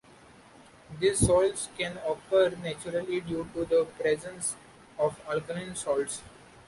These soils can occur naturally, due to the presence of alkali salts.